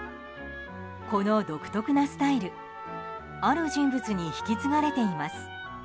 この独特なスタイルある人物に引き継がれています。